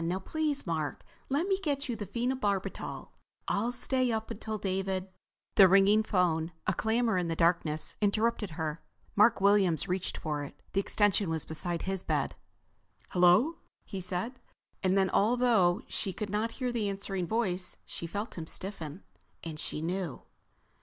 Now please, Mark, let me get you the phenobarbital. I'll stay up until David—" The ringing phone, a clamor in the darkness, interrupted her. Mark Williams reached for it. The extension was beside his bed. "Hello," he said. And then, although she could not hear the answering voice, she felt him stiffen. And she knew.